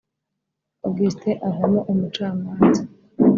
Augustin avamo umucamanza